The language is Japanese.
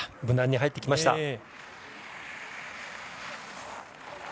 無難に入ってきました。